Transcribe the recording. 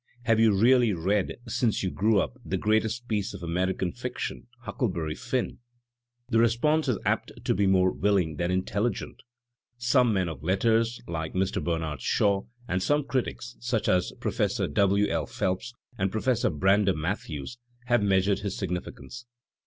Have you really read, since you grew up, the greatest piece of American fiction, 'Huckleberry Finn*?" The response is apt to be more willing than intelligent. Some men of letters, like Mr. Bernard Shaw, and some critics, such as Professor W. L. Phelps and Professor Brander Matthews, have measured his significance.